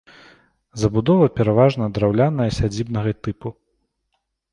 Забудова пераважна драўляная сядзібнага тыпу.